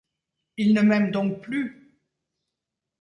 Il ne m’aime donc plus !